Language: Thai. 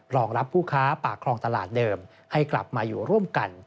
รองรับผู้ค้าปากคลองตลาดเดิมให้กลับมาอยู่ร่วมกัน